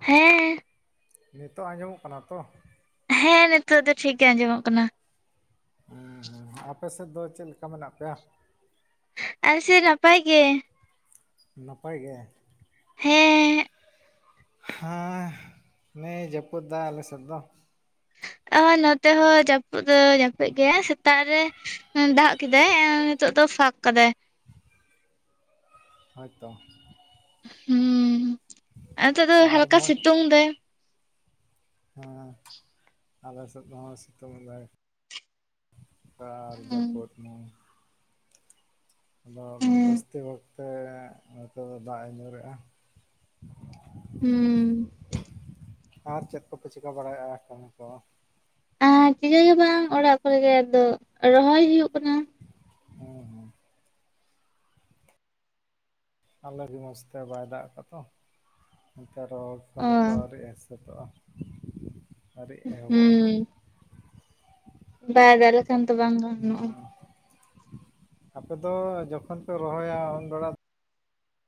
ᱦᱮᱸ, ᱱᱤᱛᱚᱜ ᱟᱸᱡᱚᱢᱚᱜ ᱠᱟᱱᱟ ᱛᱚ ᱾ ᱦᱮᱸ ᱱᱤᱛᱚᱜ ᱫᱚ ᱴᱷᱤᱠ ᱜᱮ ᱟᱸᱡᱚᱢᱚᱜ ᱠᱟᱱᱟ ᱾ ᱦᱮᱸ ᱦᱮᱸ ᱟᱯᱮ ᱥᱮᱫ ᱫᱚ ᱪᱮᱫ ᱞᱮᱠᱟ ᱢᱮᱱᱟᱜ ᱯᱮᱭᱟ? ᱟᱞᱮ ᱥᱮᱫ ᱱᱟᱯᱟᱭ ᱜᱮ ᱾ ᱱᱟᱯᱟᱭ ᱜᱮ ᱾ ᱦᱮᱸᱻ ᱦᱮᱸ ᱱᱮ ᱮ ᱡᱟᱹᱯᱩᱫ ᱫᱟ ᱟᱞᱮ ᱥᱮᱫ ᱫᱚ ᱾ ᱚᱸ ᱱᱚᱛᱮ ᱦᱚᱸ ᱡᱟᱹᱯᱩᱫ ᱫᱚ ᱡᱟᱹᱯᱩᱫ ᱠᱮᱜ-ᱟ ᱥᱮᱛᱟᱜ ᱨᱮ, ᱫᱟᱜ ᱠᱮᱫᱟᱭ, ᱱᱤᱛᱚᱜ ᱫᱚ ᱯᱷᱟᱸᱠ ᱠᱟᱫᱟᱭ ᱾ ᱦᱚᱭᱛᱚ, ᱦᱩᱸ ᱱᱤᱛᱚᱜ ᱫᱚ ᱟᱨ ᱦᱟᱞᱠᱟ ᱢᱚᱡᱽ ᱥᱤᱛᱩᱝ ᱫᱟᱭ ᱾ ᱦᱮᱸ ᱟᱞᱮ ᱥᱮᱫ ᱦᱚᱸ ᱥᱤᱛᱩᱝ ᱫᱟᱭ ᱾ ᱟᱨ ᱡᱟᱹᱯᱩᱫ ᱢᱟ ᱟᱫᱚ ᱦᱮᱸ ᱡᱟᱹᱥᱛᱤ ᱚᱠᱛᱮ ᱱᱚᱛᱮ ᱫᱚ ᱫᱟᱜ ᱮ ᱧᱩᱨᱮᱜ-ᱟ ᱾ ᱦᱩᱸ, ᱟᱨ ᱪᱮᱫ ᱠᱚᱯᱮ ᱪᱤᱠᱟᱹ ᱵᱟᱲᱟᱭᱮ-ᱟ ᱠᱟᱹᱢᱤ ᱠᱚ? ᱟᱨ ᱪᱤᱠᱟᱹ ᱜᱮ ᱵᱟᱝ ᱚᱲᱟᱜ ᱠᱚᱨᱮ ᱜᱮ ᱟᱫᱚ ᱨᱚᱦᱚᱭ ᱦᱩᱭᱩᱜ ᱠᱟᱱᱟ ᱾ [inaudible] ᱛᱟᱦᱚᱞᱮ ᱟᱹᱰᱤ ᱢᱚᱸᱡᱽ ᱛᱮ ᱵᱟᱭ ᱫᱟᱜ ᱟᱠᱟᱫ ᱫᱚ ᱮᱱᱛᱮ ᱨᱚᱦᱚᱭ ᱚ ᱠᱟᱹᱢᱤ ᱠᱚ ᱟᱹᱣᱨᱤ ᱦᱩᱭ ᱥᱟᱹᱛᱟᱹᱜ-ᱟ᱾ ᱟᱣᱨᱤ ᱮᱦᱚᱵᱚᱜ-ᱟ ᱾ [unintelligible] [inaudible] ᱫᱚ ᱵᱟᱝ ᱜᱟᱱᱚᱜᱼᱟ ᱦᱮᱸ ᱟᱯᱮ ᱫᱚ ᱡᱚᱠᱷᱚᱱ ᱯᱮ ᱨᱚᱦᱚᱭᱟ ᱩᱱ ᱵᱮᱲᱟ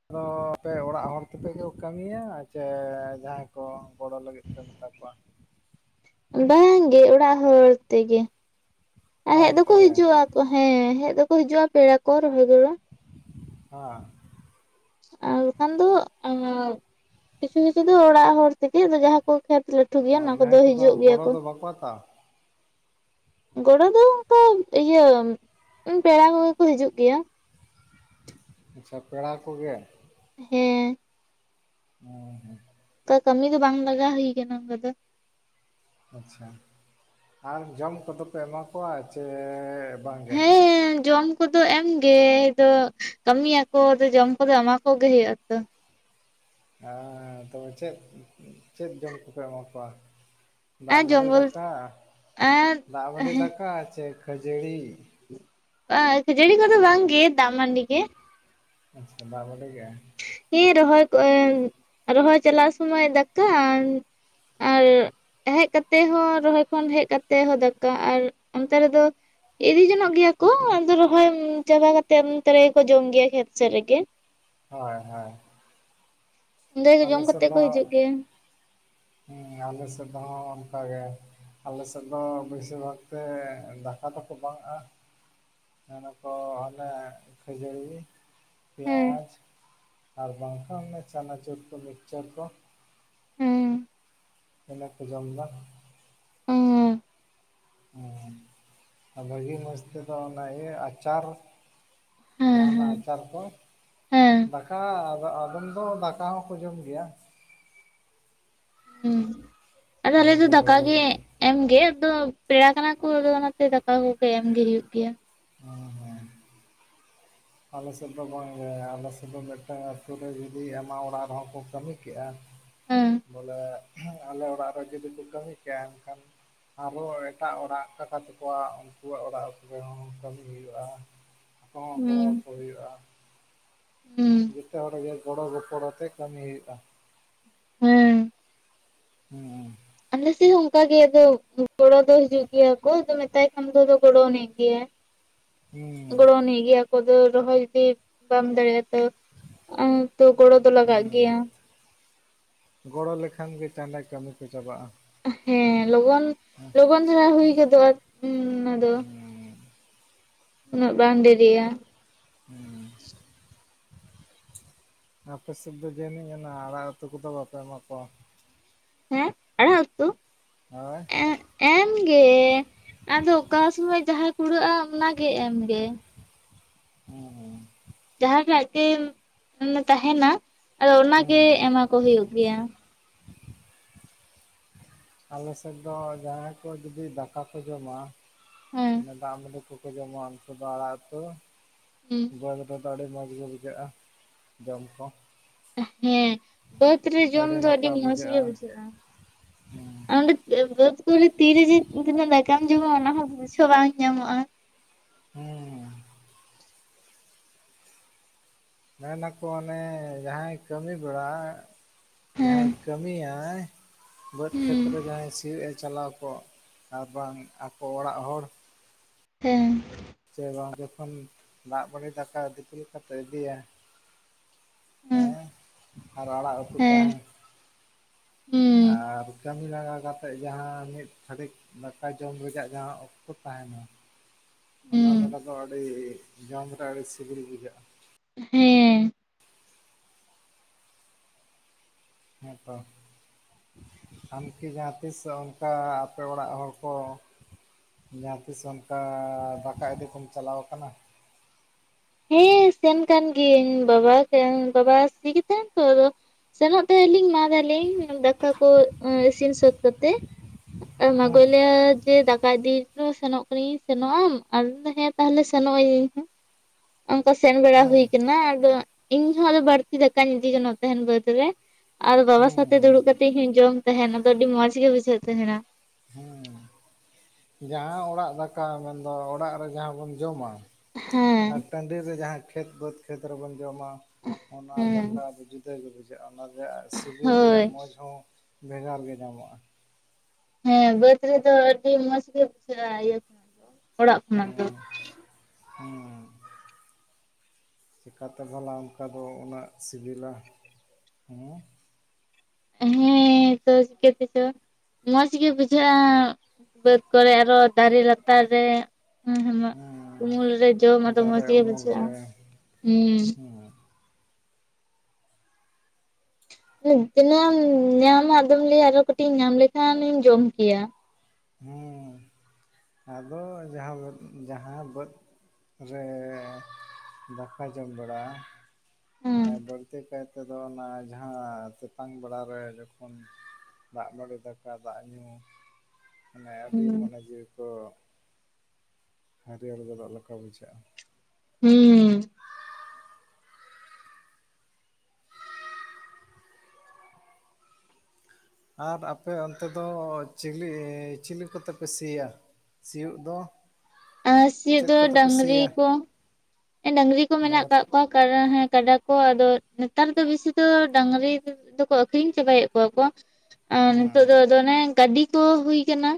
ᱟᱫᱚ ᱟᱯᱮ ᱚᱲᱟᱜ ᱦᱚᱲ ᱛᱮᱯᱮ ᱠᱚ ᱠᱟᱹᱢᱤᱭᱟ ᱪᱮ ᱡᱟᱦᱟᱸᱭ ᱠᱚ ᱜᱚᱲᱚ ᱞᱟᱹᱜᱤᱫ ᱠᱚ ᱢᱮᱛᱟ ᱠᱚᱣᱟ᱾ ᱵᱟᱝᱜᱮ ᱚᱲᱟᱜ ᱦᱚᱲ ᱛᱮᱜᱮ, ᱟᱨ ᱚᱲᱟᱜ ᱦᱮᱫ ᱦᱚᱲ ᱫᱚᱠᱚ ᱛᱮᱜᱮ ᱦᱤᱡᱩᱜ-ᱟ᱾ ᱛᱚ ᱦᱮᱸ, ᱦᱮᱡ ᱫᱠᱚ ᱦᱤᱡᱩᱜ-ᱟ ᱯᱮᱲᱟ ᱠᱚ ᱨᱚᱦᱚᱭ ᱜᱚᱲᱚ᱾ ᱦᱟᱸ᱾ ᱟᱨ ᱵᱟᱠᱷᱟᱱ ᱫᱚ ᱠᱤᱪᱷᱩ ᱠᱤᱪᱷᱩ ᱫᱚ ᱚᱲᱟᱜ ᱦᱚᱲ ᱛᱮᱜᱮ ᱡᱟᱦᱟᱸ ᱠᱚ ᱠᱷᱮᱛ ᱞᱟᱴ ᱴᱩ ᱜᱮᱭᱟ ᱟᱨ ᱚᱱᱟ ᱠᱚᱫᱚ ᱡᱟᱦᱟᱸᱭ ᱦᱤᱡᱩᱜ ᱜᱮᱭᱟ ᱜᱚᱲᱚ ᱠᱚ᱾ ᱫᱚ ᱵᱟᱠᱚ ᱦᱟᱛᱟᱣᱟ? ᱜᱚᱲᱚ ᱫᱚ ᱚᱝᱠᱟ ᱤᱭᱟᱹ ᱯᱮᱲᱟ ᱠᱚᱜᱮ ᱠᱚ ᱦᱤᱡᱩᱜ ᱜᱮᱭᱟ᱾ ᱟᱪᱪᱷᱟ ᱯᱮᱲᱟ ᱠᱚᱜᱮ? ᱦᱮᱸ᱾ ᱚ, ᱦᱮᱸ᱾ ᱛᱚ ᱠᱟᱹᱢᱤ ᱫᱚ ᱵᱟᱝ ᱞᱟᱜᱟ ᱦᱩᱭ ᱠᱟᱱᱟ ᱚᱝᱠᱟ ᱫᱚ᱾ ᱟᱪᱪᱷᱟ, ᱟᱨ ᱡᱚᱢ ᱠᱚᱫᱚ ᱯᱮ ᱮᱢᱟ ᱠᱚᱣᱟ ᱪᱮᱻ ᱦᱮᱸᱻ ᱡᱚᱢ ᱠᱚᱫᱚ ᱮᱢᱜᱮ, ᱟᱫᱚ ᱠᱟᱹᱢᱤᱭᱟᱠᱚ ᱟᱫᱚ ᱡᱚᱢ ᱠᱚᱫᱚ ᱮᱢᱟ ᱠᱚᱜᱮ ᱦᱩᱭᱩᱜ-ᱟ ᱛᱚ᱾ ᱦᱮᱸ, ᱛᱚᱵᱮ ᱪᱮᱫ, ᱪᱮᱫ ᱡᱚᱢ ᱠᱚᱯᱮ ᱮᱢᱟ ᱠᱚᱣᱟ? ᱫᱟᱜ ᱟᱨ ᱡᱚᱢ ᱢᱟᱹᱰᱤ ᱵᱚᱞ ᱫᱟᱠᱟ, ᱟᱨ ᱫᱟᱜ ᱢᱟᱹᱰᱤ ᱫᱟᱠᱟ ᱪᱮ ᱠᱷᱟᱹᱡᱟᱹᱲᱤ? ᱦᱮᱸ, ᱠᱷᱟᱹᱡᱟᱹᱲᱤ ᱠᱚᱫᱚ ᱵᱟᱝᱜᱮ ᱫᱟᱜ ᱢᱟᱹᱰᱤ ᱜᱮ᱾ ᱟᱪᱪᱷᱟ ᱫᱟᱜ ᱢᱟᱹᱰᱤ ᱜᱮ? ᱦᱮᱸ ᱨᱚᱦᱚᱭ ᱠᱚᱜᱻ ᱨᱚᱦᱚᱭ ᱪᱟᱞᱟᱜ ᱥᱚᱢᱚᱭ ᱫᱟᱠᱟ, ᱟᱨᱻ ᱦᱮᱡ ᱠᱟᱛᱮ ᱦᱚᱸ, ᱨᱚᱦᱚᱭ ᱠᱷᱚᱱ ᱦᱮᱡ ᱠᱟᱛᱮ ᱦᱚᱸ ᱫᱟᱠᱟ ᱟᱨ ᱚᱱᱛᱮ ᱨᱮᱫᱚ, ᱤᱫᱤ ᱡᱚᱱᱚᱜ ᱜᱮᱭᱟ ᱠᱚ ᱟᱫᱚ ᱨᱚᱦᱚᱭ ᱪᱟᱵᱟ ᱠᱟᱛᱮᱫ ᱚᱱᱛᱮ ᱨᱮᱜᱮᱠᱚ ᱡᱚᱢ ᱜᱮᱭᱟ ᱠᱷᱮᱛ ᱥᱮᱫ ᱨᱮᱜᱮ᱾ ᱦᱳᱭ ᱦᱳᱭ᱾ ᱚᱸᱰᱮ ᱜᱮ ᱟᱞᱮ ᱡᱚᱢ ᱥᱮᱫ ᱠᱟᱛᱮ ᱫᱚ ᱠᱚ ᱦᱤᱡᱩᱜ ᱜᱮᱭᱟ ᱦᱩᱸ, ᱟᱞᱮ ᱥᱮᱫ ᱦᱟᱸᱜ ᱚᱱᱠᱟᱜᱮ᱾ ᱟᱞᱮ ᱥᱮᱫ ᱫᱚ ᱵᱮᱥᱤᱨ ᱵᱷᱟᱜᱽ ᱛᱮ ᱫᱟᱠᱟ ᱫᱚᱠᱚ ᱵᱟᱝ-ᱟ᱾ ᱢᱮᱱᱟᱠᱚ ᱟᱞᱮ ᱠᱷᱡᱟᱹᱲᱤ, ᱦᱮᱸ ᱯᱮᱸᱭᱟᱡᱽ ᱟᱨ ᱵᱟᱝᱠᱷᱟᱱ ᱪᱟᱱᱟᱪᱩᱨ ᱠᱚ, ᱢᱤᱠᱪᱟᱨ ᱠᱚ᱾ ᱦᱮᱸ ᱤᱱᱟᱹ ᱠᱚ ᱡᱚᱢᱫᱟ᱾ ᱚᱻ ᱚᱻ, ᱟᱨ ᱵᱷᱟᱹᱜᱤ ᱢᱚᱡᱽ ᱛᱮᱫᱚ ᱚᱱᱟ ᱤᱭᱟᱹ ᱟᱪᱟᱨ᱾ ᱦᱮᱸ ᱡᱟᱸᱦᱟᱱᱟᱜ ᱦᱮᱸ ᱟᱪᱟᱨ ᱠᱚ᱾ ᱦᱮᱸ ᱫᱟᱠᱟ [unintelligible] ᱡᱚᱢ ᱫᱚ ᱫᱟᱠᱟ ᱦᱚᱸᱠᱚ ᱡᱚᱢ ᱜᱮᱭᱟ᱾ ᱦᱩᱸ, ᱟᱫᱚ ᱟᱞᱮ ᱫᱚ ᱵᱷᱟᱹᱜᱤ ᱫᱟᱠᱟ ᱵᱷᱟᱹᱜᱤ ᱜᱮ᱾ ᱮᱢᱜᱮ ᱟᱫᱚ ᱯᱮᱲᱟ ᱠᱟᱱᱟ ᱠᱚ ᱟᱫᱚ ᱚᱱᱟᱛᱮ ᱫᱟᱠᱟ ᱠᱚᱜᱮ ᱮᱢᱜᱮ ᱦᱩᱭᱩᱜ ᱜᱮᱭᱟ᱾ ᱦᱮᱸ ᱦᱮᱸ᱾ ᱟᱞᱮ ᱥᱮᱫ ᱫᱚ ᱵᱟᱝᱜᱮ, ᱟᱞᱮ ᱥᱮᱫ ᱫᱚ ᱢᱤᱫᱴᱟᱝ ᱟᱹᱛᱩᱳ ᱨᱮ ᱡᱩᱫᱤ ᱟᱭᱢᱟ ᱚᱲᱟᱜ ᱨᱮᱦᱚᱸ ᱠᱚ ᱠᱟᱹᱢᱤ ᱠᱮᱜ-ᱟ, ᱦᱮᱸ ᱵᱚᱞᱮ ᱟᱞᱮ ᱚᱲᱟᱜ ᱨᱮ ᱡᱩᱫᱤ ᱠᱚ ᱠᱟᱹᱢᱤ ᱠᱮᱭᱟ ᱮᱱᱠᱷᱟᱱ, ᱟᱨᱚ ᱮᱴᱟᱜ ᱚᱲᱟᱜ ᱠᱟᱠᱟ ᱛᱟᱠᱚᱣᱟ ᱩᱱᱠᱩᱣᱟᱜ ᱚᱲᱟᱜ [unintelligible] ᱠᱟᱹᱢᱤ ᱦᱩᱭᱩᱜ-ᱟ ᱩᱝᱠᱩ ᱦᱚᱸ ᱦᱩᱸ ᱜᱚᱲᱚᱣᱟᱠᱚ ᱦᱩᱭᱩᱜ-ᱟ᱾ ᱦᱩᱸ᱾ ᱡᱚᱛᱚ ᱦᱚᱲ ᱜᱮ ᱜᱚᱲᱚ ᱜᱚᱯᱚᱲᱚ ᱟᱛᱮ ᱠᱟᱹᱢᱤ ᱦᱩᱭᱩᱜ-ᱟ᱾ ᱦᱮᱸ᱾ ᱦᱩᱸ᱾ ᱟᱮᱞ ᱥᱮᱫ ᱦᱚᱸ ᱚᱝᱠᱟ ᱜᱮ ᱟᱫᱚ ᱜᱚᱲᱚ ᱫᱚ ᱦᱤᱡᱩᱜ ᱜᱮᱭᱟ ᱠᱚ᱾ ᱟᱫᱚ ᱢᱮᱛᱟᱭ ᱠᱷᱟᱱ ᱫᱚ ᱟᱫᱚ ᱜᱚᱲᱚ ᱮᱱᱤᱡ ᱜᱮᱭᱟ᱾ [inaudible] ᱜᱚᱲᱚ ᱟᱹᱱᱤᱡ ᱜᱮᱭᱟ ᱠᱚ ᱟᱫᱚ ᱨᱚᱦᱚᱭ ᱡᱩᱫᱤ ᱵᱟᱢ ᱫᱟᱲᱮᱜᱼᱟ ᱛᱚ ᱛᱚ ᱜᱚᱲᱚ ᱫᱚ ᱞᱟᱜᱟᱜ ᱦᱩᱸ ᱜᱮᱭᱟ ᱜᱚᱲᱚ ᱞᱮᱠᱷᱟᱱ ᱜᱮ ᱪᱟᱸᱰᱟ ᱠᱟᱹᱢᱤ ᱠᱚ ᱪᱟᱵᱟᱜᱼᱟ ᱦᱮᱸ ᱞᱚᱜᱚᱱ ᱞᱚᱜᱚᱱ ᱫᱷᱟᱨᱟ ᱦᱩᱭ ᱜᱚᱫᱚᱜᱼᱟ ᱚᱱᱟ‌ ᱫᱚ ᱦᱩᱸ ᱩᱱᱟᱹᱜ ᱵᱟᱝ ᱰᱮᱨᱤᱜᱼᱟ ᱦᱮᱸ ᱟᱯᱮ ᱥᱮᱫ ᱫᱚ ᱡᱟᱹᱱᱤᱡ ᱚᱱᱮ ᱟᱲᱟᱜ ᱩᱛᱩ ᱠᱚᱫᱚ ᱵᱟᱯᱮ ᱮᱢᱟ ᱠᱚᱣᱟ ᱮᱸ ᱟᱲᱟᱜ ᱩᱛᱩ ᱦᱳᱭ ᱮᱢᱜᱮ ᱟᱫᱚ ᱚᱠᱟ ᱥᱚᱢᱚᱭ ᱡᱟᱦᱟᱸᱭ ᱠᱩᱲᱟᱹᱜᱼᱟ ᱚᱱᱟ ᱜᱮ ᱮᱢᱜᱮ ᱦᱩᱸ ᱡᱟᱦᱟ ᱜᱮ ᱟᱡᱛᱮᱢ ᱛᱟᱦᱮᱱᱟ ᱟᱫᱚ ᱚᱱᱟᱜᱮ ᱦᱩᱸ ᱮᱢᱟ ᱠᱚ ᱦᱩᱭᱩᱜ ᱜᱮᱭᱟ᱾ ᱟᱞᱮ ᱥᱮᱫ ᱫᱚ ᱡᱟᱦᱟᱸᱭ ᱠᱚ ᱡᱩᱫᱤ ᱫᱟᱠᱟ ᱠᱚ ᱡᱚᱢᱟ ᱦᱮᱸ ᱫᱟᱜ ᱢᱟᱹᱰᱤ ᱠᱩ ᱡᱚᱢᱟ ᱩᱱᱠᱩ ᱫᱚ ᱟᱲᱟᱜ ᱩᱛᱩ ᱡᱚᱢ ᱨᱮᱫᱚ ᱟᱹᱰᱤ ᱢᱚᱡᱽ ᱜᱮ ᱵᱩᱡᱷᱟᱹᱜᱼᱟ, ᱡᱚᱢ ᱠᱚ ᱦᱮᱸ ᱵᱟᱹᱫᱽ ᱨᱮ ᱡᱚᱢ ᱫᱚ ᱟᱹᱰᱤ ᱢᱚᱸᱡᱽ ᱜᱮ ᱵᱩᱡᱷᱟᱹᱜᱼᱟ ᱦᱩᱸ ᱟᱨ ᱚᱸᱰᱮ ᱵᱟᱹᱫᱽ ᱠᱚᱨᱮ ᱛᱤ ᱨᱮ ᱛᱤᱱᱟᱹᱜ ᱫᱟᱠᱟᱢ ᱡᱚᱢᱟ ᱚᱱᱟ ᱦᱚᱸ ᱵᱩᱷᱟᱹᱣ ᱵᱟᱝ ᱧᱟᱢᱚᱜᱼᱟ ᱾ ᱦᱮᱸ ᱢᱮᱱᱟᱠᱚ ᱚᱱᱮ ᱡᱟᱦᱟᱸᱭ ᱠᱟᱹᱢᱤ ᱵᱮᱲᱟ ᱦᱮᱸ ᱡᱟᱦᱟᱸᱭ ᱠᱟᱹᱢᱤᱭᱟᱭ ᱵᱟᱹᱫᱽ ᱦᱩᱸ ᱠᱷᱮᱛᱨᱮ ᱡᱟᱦᱟᱸᱭ ᱥᱤᱭᱳᱜ ᱮ ᱪᱟᱞᱟᱣ ᱠᱚᱜ ᱟᱨᱵᱟᱝ ᱟᱠᱚ ᱚᱲᱟᱜ ᱦᱚᱲ ᱦᱮᱸ ᱥᱮ ᱵᱟᱝ ᱡᱚᱠᱷᱚᱱ ᱫᱟᱜ ᱢᱟᱹᱰᱤ ᱫᱟᱠᱟ ᱫᱤᱯᱤᱞ ᱠᱟᱛᱮ ᱤᱫᱤᱭᱟᱭ ᱦᱩᱸ ᱦᱮᱸ ᱟᱨ ᱟᱲᱟᱜ ᱩᱛᱩ ᱦᱮᱸ ᱛᱟᱦᱮᱱ ᱦᱩᱸ ᱟᱨ ᱠᱟᱹᱢᱤ ᱞᱟᱸᱜᱟ ᱠᱟᱛᱮᱫ ᱡᱟᱦᱟᱸ ᱢᱤᱫ ᱜᱷᱟᱲᱤᱡ ᱫᱟᱠᱟ ᱡᱚᱢ ᱨᱮᱡᱟᱜ ᱡᱟᱦᱟᱸ ᱚᱠᱛᱚ ᱛᱟᱦᱮᱱᱟ ᱚᱱᱟ ᱦᱩᱸ ᱜᱚᱰᱟ ᱫᱚ ᱟᱹᱰᱤ ᱡᱚᱢ ᱨᱮ ᱟᱹᱰᱤ ᱥᱤᱵᱤᱞ ᱵᱩᱡᱷᱟᱹᱜᱼᱟ ᱾ ᱦᱮᱸ ᱦᱮᱸ ᱛᱚ ᱟᱢᱠᱤ ᱡᱟᱦᱟᱸ ᱛᱤᱥ ᱚᱱᱠᱟ ᱟᱯᱮ ᱚᱲᱟᱜ ᱦᱚᱲ ᱠᱚ ᱡᱟᱦᱟᱸ ᱛᱤᱥ ᱚᱱᱠᱟ ᱫᱟᱠᱟ ᱤᱫᱤ ᱠᱚᱢ ᱪᱟᱞᱟᱣ ᱠᱟᱱᱟ? ᱦᱮᱸ ᱥᱮᱱ ᱠᱟᱱ ᱜᱤᱭᱟᱹᱧ ᱵᱟᱵᱟ ᱵᱟᱵᱟ ᱥᱤ ᱜᱮ ᱛᱟᱦᱮᱱ ᱛᱚ ᱟᱫᱚ ᱥᱮᱱᱚᱜ ᱛᱟᱦᱮᱸ ᱞᱤᱧ ᱢᱟ ᱛᱟᱞᱤᱧ ᱫᱟᱠᱟ ᱠᱚ ᱤᱥᱤᱱ ᱥᱟᱹᱛ ᱠᱟᱛᱮᱜ ᱢᱟ ᱜᱮ ᱦᱮᱸ ᱞᱟᱹᱭᱟᱭ ᱡᱮ ᱫᱟᱠᱟ ᱤᱫᱤ ᱦᱚᱴᱚ ᱥᱮᱱᱚᱜ ᱠᱟᱹᱱᱤᱧ ᱥᱮᱱᱚᱜ ᱟᱢ ᱦᱮᱸ ᱛᱟᱦᱚᱞᱮ ᱥᱮᱱᱚᱜ ᱤᱧ ᱤᱧᱦᱚᱸ ᱚᱱᱠᱟ ᱥᱮᱱ ᱵᱟᱲᱟ ᱦᱮᱸ ᱦᱩᱭ ᱠᱟᱱᱟ, ᱟᱫᱚ ᱤᱧᱦᱚᱸ ᱟᱫᱚ ᱵᱟᱹᱲᱛᱤ ᱫᱟᱠᱟᱧ ᱤᱫᱤ ᱡᱚᱱᱟᱜ ᱛᱟᱦᱮᱱ ᱵᱟᱹᱫᱽ ᱨᱮ ᱟᱨ ᱵᱟᱵᱟ ᱥᱟᱛᱮᱜ ᱦᱮᱸ ᱫᱩᱲᱩᱵ ᱠᱟᱛᱮᱫ ᱤᱧ ᱦᱚᱧ ᱡᱚᱢ ᱛᱟᱦᱮᱱᱟ ᱟᱫᱚ ᱟᱹᱰᱤ ᱢᱚᱸᱡᱽ ᱜᱮ ᱵᱩᱡᱷᱟᱹᱜ ᱛᱟᱦᱮᱱᱟ ᱦᱮᱸ ᱡᱟᱦᱟᱸ ᱚᱲᱟᱜ ᱫᱟᱠᱟ ᱢᱮᱱᱫᱚ ᱚᱲᱟᱜ ᱨᱮ ᱡᱟᱦᱟᱸ ᱵᱚᱱ ᱡᱚᱢᱟ ᱦᱮᱸ ᱟᱨ ᱴᱟᱺᱰᱤ ᱨᱮ ᱡᱟᱦᱟᱸ ᱠᱷᱮᱛ ᱵᱟᱹᱫᱽ ᱠᱷᱮᱛ ᱨᱮᱵᱚᱱ ᱡᱚᱢᱟ ᱚᱱᱟ ᱦᱮᱸ ᱫᱟᱠᱟ ᱫᱚ ᱡᱩᱫᱟᱹ ᱜᱮ ᱵᱩᱡᱷᱟᱹᱜᱼᱟ ᱚᱱᱟ ᱨᱮᱭᱟᱜ ᱥᱤᱵᱤᱞ ᱦᱳᱭ ᱨᱮᱭᱟᱜ ᱢᱚᱡᱽ ᱦᱚᱸ ᱵᱷᱮᱜᱟᱨ ᱜᱮ ᱧᱟᱢᱚᱜᱼᱟ ᱾ ᱦᱮᱸ ᱵᱟᱹᱫᱽ ᱨᱮᱫᱚ ᱟᱹᱰᱤ ᱢᱚᱸᱡᱽ ᱜᱮ ᱵᱩᱡᱷᱟᱹᱜᱼᱟ ᱤᱭᱟᱹ ᱫᱚ ᱚᱲᱟᱜ ᱠᱷᱚᱱᱟᱜ ᱫᱚ ᱦᱮᱸ ᱦᱩᱸ ᱪᱤᱠᱟᱛᱮ ᱵᱷᱟᱞᱟ ᱚᱱᱠᱟ ᱫᱚ ᱩᱱᱟᱹᱜ ᱥᱤᱵᱤᱞᱟ ᱦᱩᱸ ᱦᱮᱸ ᱛᱚ ᱪᱤᱠᱟᱛᱮ ᱪᱚ ᱢᱚᱸᱡᱽ ᱜᱤ ᱵᱩᱡᱷᱟᱹᱜᱼᱟ ᱵᱟᱹᱫᱽ ᱠᱚᱨᱮ ᱟᱨᱚ ᱫᱟᱨᱮ ᱞᱟᱛᱟᱨ ᱨᱮ ᱩᱸ ᱦᱩᱸᱱᱟᱹᱜ ᱩᱢᱩᱞ ᱦᱮᱸ ᱨᱮ ᱡᱚᱢ ᱟᱫᱚ ᱫᱟᱨᱮ ᱢᱚᱸᱡᱽ ᱜᱮ ᱩᱢᱩᱞ ᱵᱩᱡᱷᱟᱹᱜᱼᱟ ᱨᱮ ᱦᱩᱸ᱾ ᱦᱮᱸ ᱛᱤᱱᱟᱹᱜ ᱮᱢ ᱧᱟᱢᱟ ᱟᱫᱚᱢ ᱞᱟᱹᱭᱼᱟ ᱟᱨᱚ ᱠᱟᱹᱴᱤᱡ ᱤᱧ ᱧᱟᱢ ᱞᱮᱠᱷᱟᱱᱤᱧ ᱡᱚᱢ ᱠᱮᱭᱟ᱾ ᱦᱮᱸ ᱟᱫᱚ ᱡᱟᱦᱟᱸ ᱵᱟᱹᱫᱽ ᱡᱟᱦᱟᱸ ᱵᱟᱹᱫᱽ ᱨᱮ ᱫᱟᱠᱟ ᱡᱚᱢ ᱵᱟᱲᱟ᱾ ᱦᱮᱸ ᱢᱟᱱᱮ ᱵᱟᱹᱲᱛᱤ ᱠᱟᱭ ᱛᱮᱫᱚ ᱚᱱᱟ ᱡᱟᱦᱟᱸ ᱛᱮᱛᱟᱝ ᱵᱮᱲᱟ ᱨᱮ ᱡᱚᱠᱷᱚᱱ ᱫᱟᱜ ᱢᱟᱸᱲᱤ ᱫᱟᱠᱟ ᱫᱟᱜ ᱧᱩ᱾ ᱢᱟᱱᱮ ᱟᱹᱰᱤ ᱦᱩᱸ ᱢᱚᱱᱮ ᱡᱤᱣᱤ ᱠᱚ ᱦᱟᱹᱨᱭᱟᱹᱲ ᱜᱚᱫᱚᱜ ᱞᱮᱠᱟ ᱵᱩᱡᱷᱟᱹᱜᱼᱟ᱾ ᱦᱩᱸ, ᱟᱨ ᱟᱯᱮ ᱚᱱᱛᱮ ᱫᱚ ᱪᱤᱞᱤ ᱪᱤᱞᱤ ᱠᱚᱛᱮ ᱯᱮ ᱥᱤᱭᱟ? ᱥᱤᱭᱩᱜ ᱫᱚ, ᱟ ᱥᱤᱭᱚᱜ ᱪᱮᱫ ᱫᱚ ᱠᱚᱛᱮ ᱯᱮ ᱰᱟᱹᱝᱨᱤ ᱥᱤᱭᱟ ᱠᱚ ᱮ ᱰᱟᱹᱝᱨᱤ ᱠᱚ ᱢᱮᱱᱟᱜ ᱱᱟᱹᱨ ᱠᱟᱜ ᱠᱚᱣᱟ ᱠᱟᱰᱟ ᱦᱮᱸ ᱠᱟᱰᱟ ᱠᱚ ᱟᱫᱚ ᱱᱮᱛᱟᱨ ᱫᱚ ᱵᱤᱥᱤ ᱫᱚ ᱰᱟᱹᱝᱨᱤ ᱫᱚᱠᱚ ᱟᱹᱠᱷᱨᱤᱧ ᱪᱟᱵᱟᱭᱮᱜ ᱠᱚᱣᱟ ᱠᱚ᱾ ᱟᱸ ᱦᱮᱸ ᱱᱤᱛᱚᱜ ᱫᱚ ᱟᱫᱚ ᱚᱱᱮ ᱜᱟᱹᱰᱤ ᱠᱚ ᱦᱩᱭ ᱠᱟᱱᱟ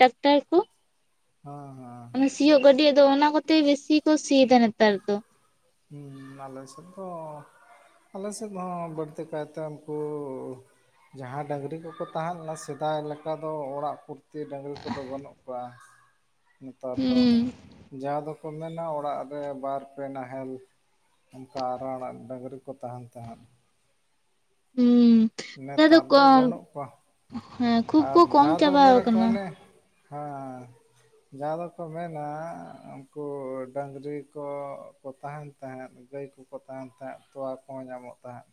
ᱴᱟᱠᱴᱟᱨ ᱠᱩ᱾ ᱦᱟᱸ ᱦᱟᱸ᱾ ᱚᱱᱮ ᱥᱤᱭᱳᱜ ᱜᱟᱹᱰᱤ ᱫᱚ ᱚᱱᱟ ᱠᱚᱛᱮ ᱵᱤᱥᱤ ᱠᱚ ᱥᱤᱭ ᱫᱟ ᱱᱮᱛᱟᱨ ᱫᱚ᱾ ᱦᱩᱸ ᱱᱟᱞᱮ ᱥᱮᱫ ᱫᱚ ᱟᱞᱮ ᱥᱮᱫ ᱦᱚᱸ ᱵᱟᱹᱲᱛᱤ ᱠᱟᱭᱛᱮ ᱩᱱᱠᱩ ᱡᱟᱦᱟᱸ ᱰᱟᱹᱝᱨᱤ ᱠᱚᱠᱚ ᱛᱟᱦᱮᱸ ᱞᱮᱱᱟ ᱥᱮᱫᱟᱭ ᱞᱮᱠᱟ ᱫᱚ ᱚᱲᱟᱜ ᱠᱩᱫᱽ ᱛᱤ ᱰᱟᱹᱝᱨᱤ ᱠᱚᱫᱚ ᱵᱟᱹᱱᱩᱜ ᱠᱚᱣᱟ ᱱᱮᱛᱟᱨ ᱫᱚ᱾ ᱦᱩᱸ ᱡᱟᱦᱟᱸ ᱫᱚᱠᱚ ᱢᱮᱱᱟ ᱚᱲᱟᱜ ᱨᱮ ᱵᱟᱨ ᱯᱮ ᱱᱟᱦᱮᱞ ᱚᱝᱠᱟ ᱟᱨᱟᱲ ᱰᱟᱹᱝᱨᱤ ᱠᱚ ᱛᱟᱦᱮᱱ ᱛᱟᱦᱮᱸᱫ᱾ ᱦᱩᱸ, ᱱᱮᱛᱟᱨ ᱫᱚ ᱵᱟᱹᱱᱩᱜ ᱠᱚᱣᱟ᱾ ᱦᱮᱸᱫ, ᱟᱨ ᱡᱟᱦᱟᱸ ᱫᱚ ᱢᱮᱱᱟ ᱠᱚ ᱚᱱᱮ ᱦᱮᱸ᱾ ᱡᱟᱦᱟᱸ ᱫᱚᱠᱚ ᱢᱮᱱᱟ ᱩᱱᱠᱩ ᱰᱟᱹᱝᱨᱤ ᱠᱚ ᱠᱚ ᱛᱟᱦᱮᱸᱱ ᱛᱟᱦᱮᱸᱫ ᱜᱟᱹᱭ ᱠᱚᱠᱚ ᱛᱟᱦᱮᱸᱱ ᱛᱟᱦᱮᱸᱫ ᱛᱚᱣᱟ ᱠᱚᱦᱚᱸ ᱧᱟᱢᱚᱜ ᱛᱟᱦᱮᱸᱫ᱾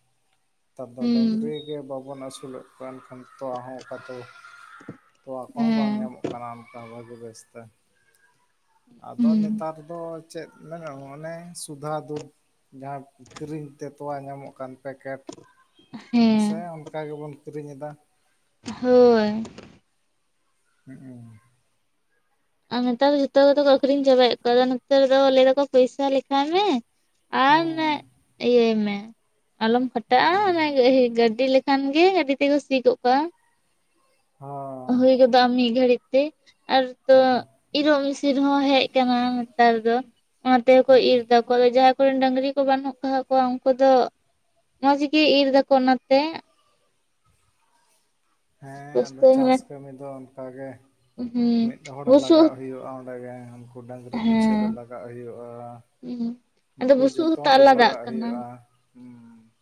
ᱱᱮᱛᱟᱨ ᱫᱚ ᱰᱟᱹᱝᱨᱤ ᱦᱩᱸ ᱜᱮ ᱵᱟᱵᱚᱱ ᱟᱹᱥᱩᱞᱮᱜ ᱠᱚᱣᱟ ᱮᱱᱠᱷᱟᱱ ᱛᱚᱣᱟ ᱦᱚᱸ ᱚᱠᱟ ᱪᱮ ᱛᱚᱣᱟ ᱟᱠᱚ ᱦᱚᱸ ᱵᱟᱝ ᱦᱮᱸ ᱧᱟᱢᱚᱜ ᱠᱟᱱᱟ ᱚᱝᱠᱟ ᱵᱷᱟᱹᱜᱤ ᱵᱮᱥ ᱛᱮ᱾ ᱟᱫᱚ ᱦᱩᱸ ᱱᱮᱛᱟᱨ ᱫᱚ ᱪᱮᱫ ᱢᱮᱱᱟ ᱚᱱᱮ ᱥᱩᱫᱷᱟ ᱫᱩᱫᱷ᱾ ᱡᱟᱦᱟᱸ ᱠᱤᱨᱤᱧ ᱛᱮ ᱛᱚᱣᱟ ᱧᱟᱢᱚᱜ ᱠᱟᱱ ᱯᱮᱠᱮᱴ ᱦᱮᱸᱥᱮ ᱦᱮᱸ ᱚᱱᱠᱟ ᱜᱮᱵᱚᱱ ᱠᱤᱨᱤᱧ ᱮᱫᱟ᱾ ᱦᱳᱭ, ᱦᱮᱸᱜᱼᱮ᱾ ᱟ ᱱᱮᱛᱟᱨ ᱫᱚ ᱡᱷᱚᱛᱚ ᱜᱮᱛᱚ ᱠᱚ ᱟᱹᱠᱷᱨᱤᱧ ᱪᱟᱵᱟᱭᱮᱫ ᱠᱚᱣᱟ ᱟᱫᱚ ᱱᱮᱛᱟᱨ ᱫᱚ ᱞᱟᱹᱭ ᱫᱟᱠᱚ ᱯᱚᱭᱥᱟ ᱞᱮᱠᱷᱟᱭ ᱢᱮ᱾ ᱟᱨ ᱦᱮᱸ, ᱤᱭᱟᱹᱭ ᱢᱮ ᱟᱞᱚᱢ ᱠᱷᱟᱴᱟᱜᱼᱟ ᱚᱱᱟ ᱜᱟᱹᱰᱤ ᱞᱮᱠ ᱠᱷᱟᱱ ᱜᱮ ᱜᱟᱹᱰᱤ ᱛᱮᱠᱚ ᱥᱤ ᱜᱚᱜ ᱠᱟᱜᱼᱟ᱾ ᱦᱚᱸ ᱦᱩᱭ ᱜᱚᱫᱚᱜᱼᱟ ᱢᱤᱫ ᱜᱷᱟᱹᱲᱤᱡ ᱛᱮ ᱟᱨ ᱛᱚ ᱦᱚᱸ ᱦᱩᱸ ᱤᱨᱚᱞ ᱢᱤᱥᱤᱱ ᱨᱮ ᱦᱚᱸ ᱦᱮᱡ ᱠᱟᱱᱟ᱾ ᱱᱮᱛᱟᱨ ᱫᱚ ᱚᱱᱟ ᱛᱮᱠᱚ ᱤᱨ ᱦᱩᱸ ᱫᱟᱠᱚ ᱠᱚᱣᱟ ᱜᱮ ᱡᱟᱦᱟᱸᱭ ᱠᱚᱨᱮᱱ ᱰᱟᱹᱝᱨᱤ ᱠᱚ ᱵᱟᱹᱱᱩᱜ ᱠᱚᱣᱟᱜ ᱠᱚᱣᱟ ᱩᱱᱠᱩ ᱫᱚ ᱢᱚᱸᱡᱽ ᱜᱤ ᱤᱨ ᱫᱟᱠᱚ ᱚᱱᱟ ᱛᱮ᱾ ᱦᱮᱸ ᱟᱫᱚ ᱵᱩᱥᱛᱟᱹ ᱪᱟᱥ ᱦᱮᱸ ᱠᱟᱹᱢᱤ ᱫᱚ ᱚᱱᱠᱟ ᱜᱮ ᱢᱤᱫ ᱦᱚᱲ ᱵᱩᱥᱩᱵ ᱞᱟᱜᱟᱜ ᱦᱩᱭᱩᱜᱼᱟ ᱚᱸᱰᱮ ᱜᱮ ᱩᱱᱠᱩ ᱰᱟᱹᱝᱨᱤ ᱯᱤᱪᱷᱟᱹ ᱨᱮ ᱦᱮᱸ ᱞᱟᱜᱟᱜ ᱦᱩᱭᱩᱜᱼᱟ᱾ ᱦᱩᱸ ᱟᱫᱚ ᱩᱱᱠᱩ ᱵᱩᱥᱩᱵ ᱦᱚᱸᱛᱚ ᱡᱚᱛᱚᱱ ᱨᱮ ᱟᱞᱟᱫᱟᱜ ᱞᱟᱜᱟᱜ ᱠᱟᱱᱟ ᱦᱩᱭᱩᱜᱼᱟ ᱦᱩᱸ ᱾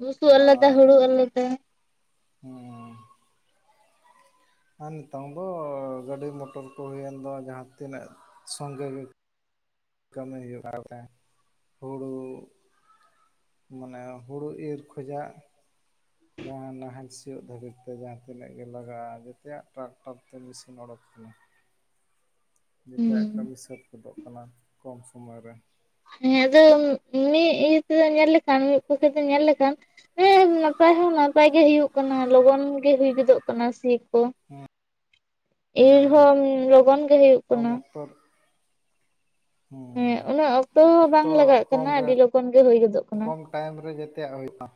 ᱵᱩᱥᱩᱜ ᱟᱞᱟᱫᱟ ᱦᱩᱲᱩ ᱟᱞᱟᱫᱟ ᱾ ᱚᱸ ᱾ ᱟᱨ ᱱᱤᱛᱚᱝ ᱫᱚ ᱜᱟᱹᱰᱤ ᱢᱚᱴᱚᱨ ᱠᱚ ᱦᱩᱭᱮᱱ ᱫᱚ ᱡᱟᱦᱟᱸ ᱛᱤᱱᱟᱹᱜ ᱥᱚᱸᱜᱮ ᱜᱮ ᱠᱟᱹᱢᱤ ᱦᱩᱭᱩᱜᱼᱟ ᱟᱣᱛᱮ, ᱦᱩᱲᱩ ᱢᱟᱱᱮ ᱦᱩᱲᱳ ᱤᱨ ᱠᱷᱚᱡᱟᱜ ᱡᱟᱦᱟᱸ ᱱᱟᱦᱮᱞ ᱥᱤᱭᱳᱜ ᱫᱷᱟᱹᱵᱤᱡ ᱛᱮ ᱡᱟᱦᱟᱸ ᱛᱤᱱᱟᱹᱜ ᱜᱮ ᱞᱟᱜᱟᱜᱼᱟ ᱡᱮᱛᱮᱭᱟᱜ ᱴᱨᱟᱠ ᱟᱯᱛᱮ ᱢᱮᱤᱥᱤᱱ ᱚᱰᱳᱠ ᱠᱟᱱᱟ᱾ ᱦᱩᱸ ᱡᱮᱛᱮᱭᱟᱜ ᱠᱟᱹᱢᱤ ᱥᱟᱹᱛ ᱜᱚᱫᱚᱜ ᱠᱟᱱᱟ ᱠᱚᱢ ᱥᱚᱢᱚᱭ ᱨᱮ᱾ ᱦᱮᱸ ᱟᱫᱚ ᱢᱤᱫ ᱤᱭᱟᱹ ᱛᱮᱫᱚ ᱧᱮᱞ ᱞᱮᱠᱷᱟᱱ, ᱢᱤᱫ ᱯᱚᱠᱠᱷᱮ ᱫᱚ ᱧᱮᱞ ᱞᱮᱠᱷᱟᱱ ᱦᱮᱸ ᱱᱟᱯᱟᱭ ᱦᱚᱸ ᱱᱟᱯᱟᱭ ᱜᱮ ᱦᱩᱭᱩᱜ ᱠᱟᱱᱟ ᱞᱚᱜᱚᱱ ᱜᱮ ᱦᱩᱭ ᱜᱚᱫᱚᱜ ᱠᱟᱱᱟ᱾ ᱥᱤᱠ ᱤᱨ ᱦᱚᱸ ᱞᱚᱜᱚᱱ ᱜᱮ ᱦᱩᱭᱩᱜ ᱠᱟᱱᱟ᱾ ᱦᱮᱸ ᱩᱱᱟᱹᱜ ᱦᱚᱸ ᱵᱟᱝ ᱚᱠᱛᱚ ᱞᱟᱜᱟᱜ ᱠᱚᱢ ᱠᱟᱱᱟ ᱨᱮ ᱟᱹᱰᱤ ᱞᱚᱜᱚᱱ ᱜᱮ ᱦᱩᱭ ᱜᱚᱫᱚᱜ ᱠᱟᱱᱟ ᱠᱚᱢ ᱴᱟᱭᱤᱢ ᱨᱮ ᱡᱮᱛᱮᱭᱟᱜ ᱦᱩᱭᱩᱜᱼᱟ ᱾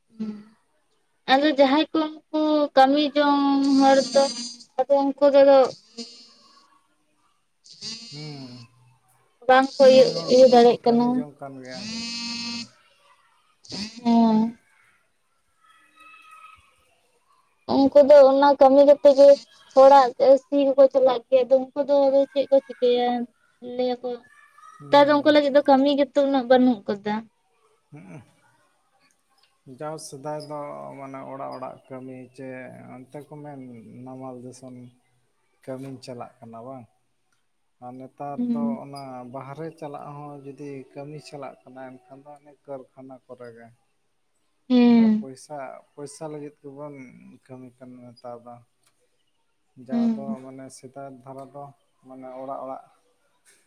[unintelligible] ᱟᱫᱚ ᱡᱟᱦᱟᱸᱭ ᱠᱚ ᱩᱱᱠᱩ ᱠᱟᱹᱢᱤ ᱡᱚᱝ ᱦᱚᱲ ᱫᱚ ᱟᱫᱚ ᱩᱱᱠᱩ ᱫᱚ ᱟᱫᱚ ᱦᱩᱸ ᱵᱟᱝᱠᱚ ᱤᱭᱟᱹ ᱠᱟᱹᱢᱤ ᱦᱚᱲ ᱤᱭᱟᱹ ᱠᱚᱫᱚ ᱠᱚ ᱫᱟᱲᱮᱭᱟᱜ ᱠᱟᱱᱟ ᱠᱟᱹᱢᱤ ᱡᱚᱝ ᱠᱟᱱ ᱜᱮᱭᱟ᱾ ᱦᱮᱸ ᱩᱱᱠᱩ ᱫᱚ ᱚᱱᱟ ᱠᱟᱹᱢᱤ ᱠᱟᱛᱮᱜ ᱜᱮ ᱦᱚᱲᱟᱜ ᱥᱤ ᱠᱚᱠᱚ ᱪᱟᱞᱟᱜ ᱜᱮᱭᱟ ᱟᱫᱚ ᱩᱱᱠᱩ ᱫᱚ ᱟᱫᱚ ᱪᱮᱫ ᱠᱚ ᱪᱤᱠᱟᱹᱭᱟ ᱞᱟᱹᱭᱟᱠᱚ ᱱᱮᱛᱟᱨ ᱫᱚ ᱩᱱᱠᱩ ᱦᱩᱸ ᱞᱟᱹᱜᱤᱫ ᱫᱚ ᱠᱟᱹᱢᱤ ᱜᱮᱛᱚ ᱩᱱᱟᱹᱜ ᱵᱟᱹᱱᱩᱜ ᱟᱠᱟᱫᱟ᱾ ᱦᱩᱸ ᱾ ᱡᱟᱣ ᱥᱮᱫᱟᱭ ᱫᱚ ᱢᱟᱱᱮ ᱚᱲᱟᱜ ᱚᱲᱟᱜ ᱠᱟᱹᱢᱤ ᱪᱮ ᱚᱱᱛᱮ ᱠᱚ ᱢᱮᱱ ᱱᱟᱢᱟᱞ ᱡᱚᱛᱚᱱ ᱠᱟᱹᱢᱤᱧ ᱪᱟᱞᱟᱜ ᱠᱟᱱᱟ ᱵᱟᱝ ᱾ ᱟᱨ ᱱᱮᱛᱟᱨ ᱫᱚ ᱦᱩᱸ ᱚᱱᱟ ᱵᱟᱦᱨᱮ ᱪᱟᱞᱟᱜ ᱦᱚᱸ ᱡᱩᱫᱤ ᱠᱟᱹᱢᱤ ᱪᱟᱞᱟᱜ ᱠᱟᱱᱟᱭ ᱮᱱᱠᱷᱟᱱ ᱫᱚ ᱤᱱᱟᱹ ᱠᱟᱹᱨᱠᱷᱟᱱᱟ ᱠᱚᱨᱮ ᱜᱮ᱾ ᱟᱱᱟ ᱦᱮᱸ ᱯᱚᱭᱥᱟ, ᱯᱚᱭᱥᱟ ᱞᱟᱹᱜᱤᱫ ᱜᱮᱵᱚᱱ ᱠᱟᱹᱢᱤ ᱠᱟᱱᱟ ᱱᱮᱛᱟᱨ ᱫᱚ᱾ ᱡᱟᱣ ᱦᱮᱸ ᱫᱚ ᱢᱟᱱᱮ ᱥᱮᱛᱟᱜ ᱫᱷᱟᱨᱟ ᱫᱚ ᱢᱟᱱᱮ ᱚᱲᱟᱜ ᱚᱲᱟᱜ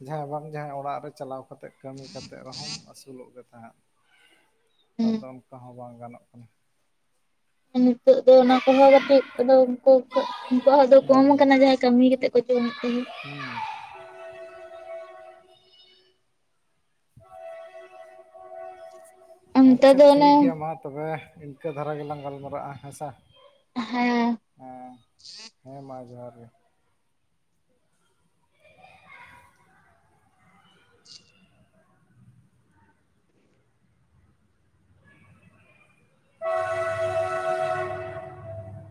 ᱡᱟᱦᱟᱸᱭ ᱵᱟᱝ ᱡᱟᱦᱟᱸᱟᱭ ᱚᱲᱟᱜ ᱨᱮ ᱪᱟᱞᱟᱣ ᱠᱟᱛᱮᱜ ᱠᱟᱹᱢᱤ ᱠᱟᱛᱮᱜ ᱨᱮᱦᱚᱢ ᱟᱹᱥᱩᱞᱚᱜ ᱜᱮ ᱛᱟᱦᱮᱸᱫ᱾ ᱱᱮᱛᱟᱨ ᱫᱚ ᱦᱮᱸ ᱚᱱᱠᱟ ᱦᱚᱸ ᱵᱟᱝ ᱜᱟᱱᱚᱜ ᱠᱟᱱᱟ᱾ ᱱᱤᱛᱳᱜ ᱫᱚ ᱚᱱᱟ ᱠᱚᱦᱚᱸ ᱠᱟᱹᱴᱤᱡ ᱟᱫᱚ ᱩᱱᱠᱩ ᱠᱚ ᱩᱱᱠᱩᱣᱟᱜ ᱫᱚ ᱦᱩᱸ ᱠᱚᱢ ᱟᱠᱟᱱᱟ ᱡᱟᱦᱟᱸᱭ ᱠᱟᱹᱢᱤ ᱠᱟᱛᱮᱜ ᱠᱚ ᱡᱚᱢᱮᱫ ᱛᱟᱦᱮᱸᱫ᱾ ᱦᱮᱸ ᱟᱨ [unintelligible] ᱱᱮᱛᱟᱨ ᱟᱪᱪᱷᱟ ᱫᱚ ᱚᱱᱮ ᱴᱷᱤᱠ ᱜᱮᱭᱟ ᱢᱟ ᱛᱚᱵᱮ ᱤᱱᱠᱟᱹ ᱫᱷᱟᱨᱟ ᱜᱮᱞᱟᱝ ᱜᱟᱞᱢᱟᱨᱟᱜᱼᱟ ᱦᱮᱸᱥᱮ? ᱦᱮᱸ ᱦᱮᱸ ᱦᱮᱸᱢᱟ ᱡᱚᱦᱟᱨ ᱜᱮ ᱾ [unintelligible]